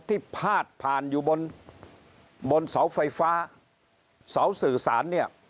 พาดผ่านอยู่บนบนเสาไฟฟ้าเสาสื่อสารเนี่ย